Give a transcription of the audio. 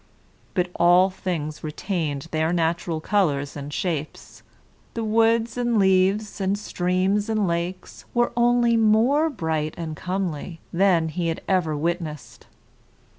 But all things retained their natural colors and shapes. The woods and leaves, and streams and lakes, were only more bright and comely than he had ever witnessed.